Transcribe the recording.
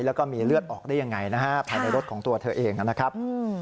แล้วก็มีเลือดออกได้ยังไงนะฮะภายในรถของตัวเธอเองนะครับ